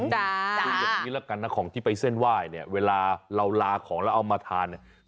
คืออย่างนี้ละกันนะของที่ไปเส้นไหว้เนี่ยเวลาเราลาของแล้วเอามาทานเนี่ย